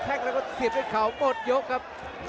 หนีไม่ออกนะครับ